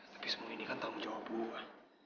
tapi semua ini kan tanggung jawab gue